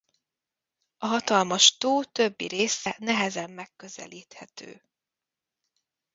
A hatalmas tó többi része nehezen megközelíthető.